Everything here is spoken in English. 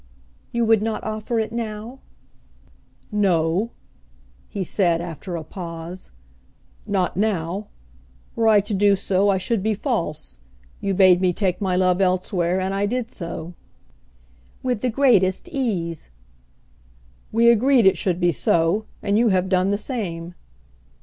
"You would not offer it now?" "No," he said, after a pause, "not now. Were I to do so, I should be false. You bade me take my love elsewhere, and I did so." "With the greatest ease." "We agreed it should be so; and you have done the same."